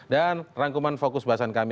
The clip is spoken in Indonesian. dan rangkuman fokus bahasan kami